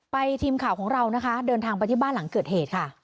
ทีมข่าวของเรานะคะเดินทางไปที่บ้านหลังเกิดเหตุค่ะ